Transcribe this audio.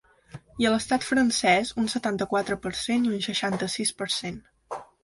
I a l’estat francès, un setanta-quatre per cent i un seixanta-sis per cent.